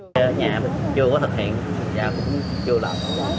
nhà mình chưa có thực hiện cũng chưa làm